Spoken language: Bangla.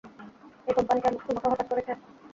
এই কোম্পানি কি তোমাকে হতাশ করেছে?